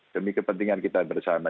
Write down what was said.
demi kepentingan kita bersama